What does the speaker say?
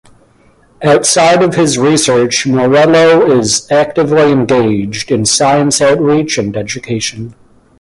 Outside of his research Morello is actively engaged in science outreach and education.